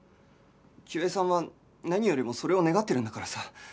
清江さんは何よりもそれを願ってるんだからさ